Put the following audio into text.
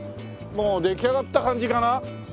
もう出来上がった感じかな？